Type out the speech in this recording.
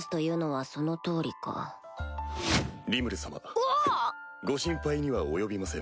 うおっ！ご心配には及びません。